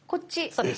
そうです。